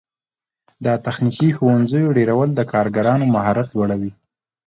د تخنیکي ښوونځیو ډیرول د کارګرانو مهارت لوړوي.